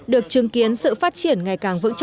được chứng kiến sự phát triển ngày càng vững chắc